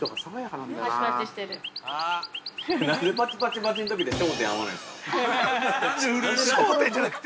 ◆なんでパチパチパチパチのとき焦点、合わないんですか。